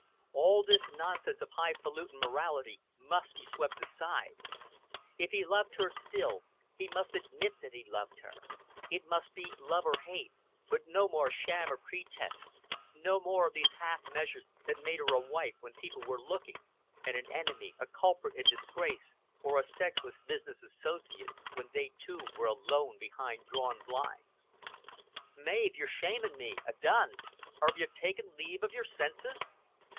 All this nonsense of high falutin' morality must be swept aside; if he loved her still, he must admit that he loved her; it must be love or hate, but no more sham and pretense, no more of these half measures that made her a wife when people were looking, and an enemy, a culprit in disgrace, or a sexless business associate, when they two were alone behind drawn blinds. "Mav, you're shaming me. 'A' done. 'Aarve you tekken leave o' yer senses?"